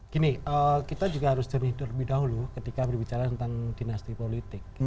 gini kita juga harus jernih terlebih dahulu ketika berbicara tentang dinasti politik